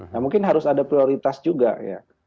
nah mungkin harus ada prioritas juga ya